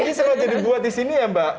ini sudah jadi buat di sini ya mbak